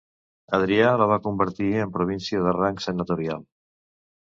Adrià la va convertir en província de rang senatorial.